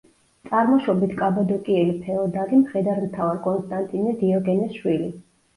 წარმოშობით კაბადოკიელი ფეოდალი, მხედართმთავარ კონსტანტინე დიოგენეს შვილი.